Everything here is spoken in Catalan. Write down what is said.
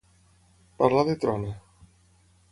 Parlar de trona.